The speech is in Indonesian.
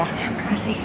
ya terima kasih